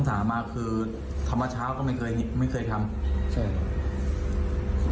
สามารคคือทำมาเช้าก็ไม่อันนี้ไม่เคยทำ